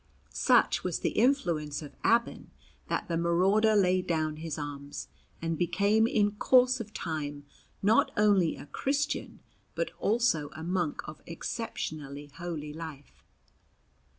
Such was the influence of Abban that the marauder laid down his arms, and became in course of time not only a Christian, but also a monk of exceptionally holy life.